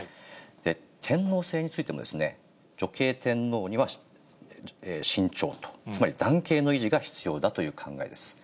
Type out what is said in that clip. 天皇制についてもですね、女系天皇には慎重と、つまり男系の維持が必要だという考えです。